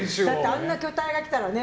あんな巨体が来たらね。